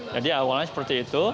jadi awalnya seperti itu